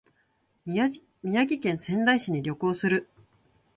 宮城県仙台市に旅行する